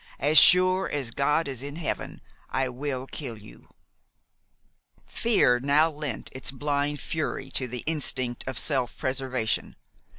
As sure as God is in Heaven, I will kill you!" Fear now lent its blind fury to the instinct of self preservation.